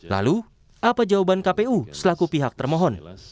lalu apa jawaban kpu selaku pihak termohon